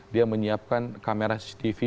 dia menyiapkan kamera cctv